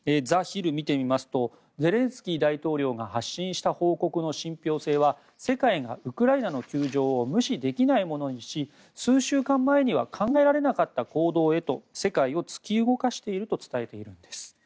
ザ・ヒルを見てみますとゼレンスキー大統領が発信した報告の信ぴょう性は世界がウクライナの窮状を無視できないものにし数週間前には考えられなかった行動へと世界を突き動かしていると伝えているんです。